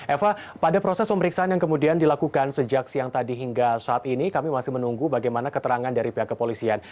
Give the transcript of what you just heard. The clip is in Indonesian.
eva pada proses pemeriksaan yang kemudian dilakukan sejak siang tadi hingga saat ini kami masih menunggu bagaimana keterangan dari pihak kepolisian